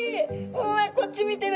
うわこっち見てる。